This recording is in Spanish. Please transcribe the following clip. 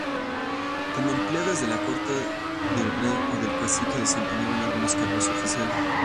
Como empleados de la corte del rey o del cacique, desempeñaban algunos cargos oficiales.